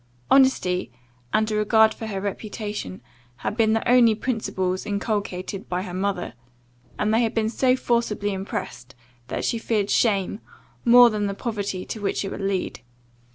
Honesty, and a regard for her reputation, had been the only principles inculcated by her mother; and they had been so forcibly impressed, that she feared shame, more than the poverty to which it would lead.